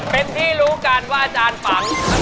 เป็นที่รู้กันว่าอาจารย์ฝัง